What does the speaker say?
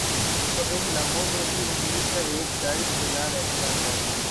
تو ان لمحوں میں بھی امید کا ایک در کھلا رہتا ہے۔